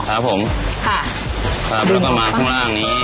ครับผมแล้วก็มาข้างล่างนี้